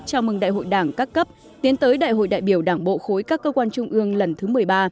chào mừng đại hội đảng các cấp tiến tới đại hội đại biểu đảng bộ khối các cơ quan trung ương lần thứ một mươi ba